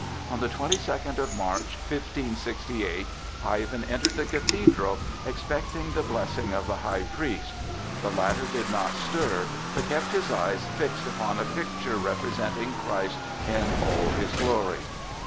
On the twenty second of March, 1568, Ivan entered the cathedral, expecting the blessing of the high priest. The latter did not stir, but kept his eyes fixed upon a picture representing Christ in all his glory.